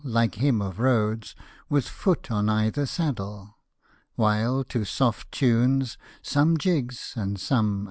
Like him of Rhodes, with foot on either saddle, While to soft tunes — some jigs, and some a?